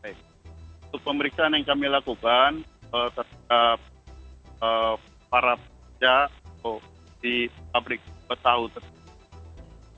untuk pemeriksaan yang kami lakukan terhadap para pekerja atau di pabrik tahu tersebut